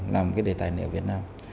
làm cái đề tài nẻo việt nam